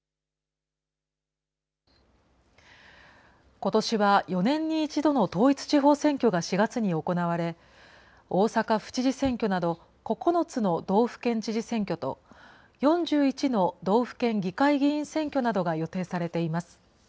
ことしは４年に１度の統一地方選挙が４月に行われ、大阪府知事選挙など、９つの道府県知事選挙と、４１の道府県議会議員選挙などが予定されています。